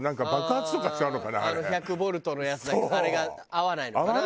あの１００ボルトのやつあれが合わないのかな？